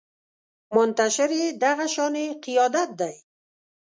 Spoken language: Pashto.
منتشر يې دغه شانې قیادت دی